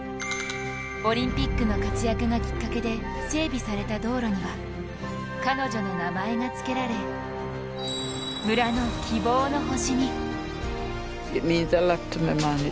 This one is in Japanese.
オリンピックの活躍がきっかけで、整備された道路には彼女の名前がつけられ、村の希望の星に。